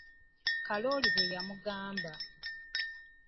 Kalooli bwe yamugamba.